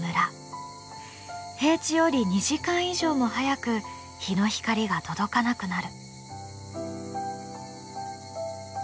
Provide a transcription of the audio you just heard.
平地より２時間以上も早く日の光が届かなくなる。